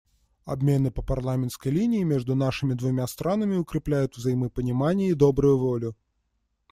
Обмены по парламентской линии между нашими двумя странами укрепляют взаимопонимание и добрую волю.